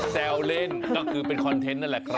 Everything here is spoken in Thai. แซวเล่นก็คือเป็นคอนเทนต์นั่นแหละครับ